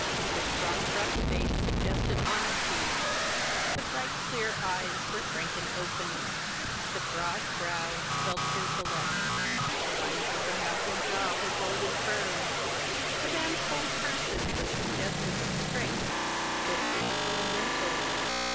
The strong rough face suggested honesty, the bright clear eyes were frank and open; the broad brow spelt intellect, the lines of the mouth and jaw were bold and firm. The man's whole person was suggestive of strength, both physical and mental.